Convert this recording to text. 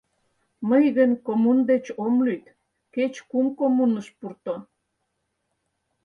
Мый гын коммун деч ом лӱд — кеч кум коммуныш пурто.